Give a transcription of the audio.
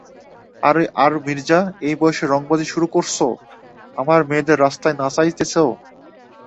আর মির্জা, এই বয়সে রংবাজি শুরু করসো, আমার মেয়েদের রাস্তায় নাচাইতেছ।